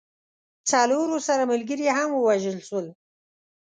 څلور ورسره ملګري هم ووژل سول.